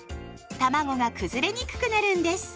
たまごが崩れにくくなるんです。